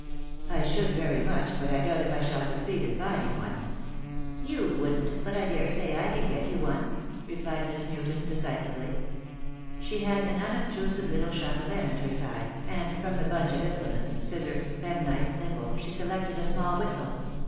"I should very much, but I doubt if I shall succeed in finding one." "You wouldn't, but I daresay I can get you one," replied Miss Newton, decisively. She had an unobtrusive little chatelaine at her side, and from the bunch of implements, scissors, penknife, thimble, she selected a small whistle.